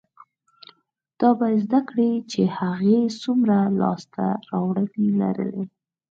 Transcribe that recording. دا به زده کړي چې هغې څومره لاسته راوړنې لرلې،